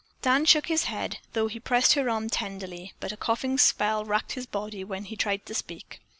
Dan shook his head, though he pressed her arm tenderly, but a coughing spell racked his body when he tried to speak.